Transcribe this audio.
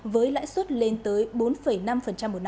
với lãi suất lên tới bốn năm một năm